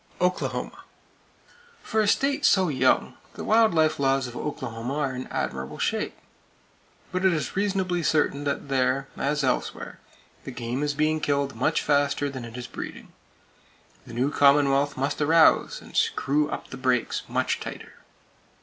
Oklahoma: For a state so young, the wild life laws of Oklahoma are in admirable shape; but it is reasonably certain that there, as elsewhere, the game is being killed much faster than it is breeding. The new commonwealth must arouse, and screw up the brakes much tighter.